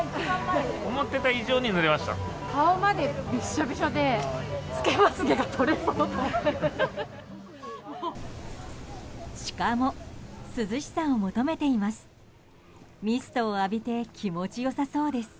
シカも涼しさを求めています。